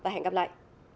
hẹn gặp lại